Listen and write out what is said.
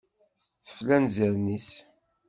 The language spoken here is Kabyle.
Tefla anzaren-nnes.